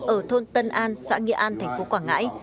ở thôn tân an xã nghĩa an thành phố quảng ngãi